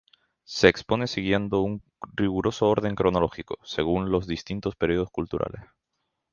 Se expone siguiendo un riguroso orden cronológico, según los distintos periodos culturales.